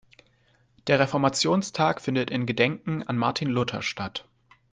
Der Reformationstag findet in Gedenken an Martin Luther statt.